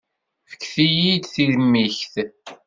Fket-iyi-d timikt.